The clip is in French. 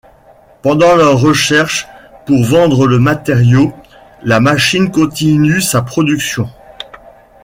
Pendant leurs recherches pour vendre le matériau, la machine continue sa production.